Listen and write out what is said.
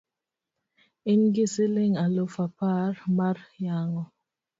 in gi siling' aluf apar mar yang'o?